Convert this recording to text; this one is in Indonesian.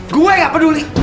gue gak peduli